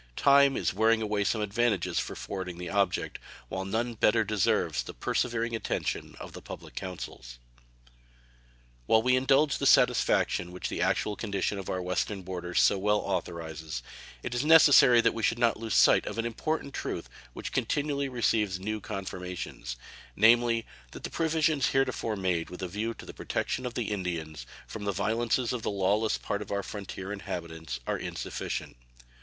Time is wearing away some advantages for forwarding the object, while none better deserves the persevering attention of the public councils. While we indulge the satisfaction which the actual condition of our Western borders so well authorizes, it is necessary that we should not lose sight of an important truth which continually receives new confirmations, namely, that the provisions heretofore made with a view to the protection of the Indians from the violences of the lawless part of our frontier inhabitants are insufficient.